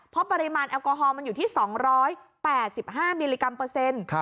เพราะปริมาณแอลกอฮอลมันอยู่ที่๒๘๕มิลลิกรัมเปอร์เซ็นต์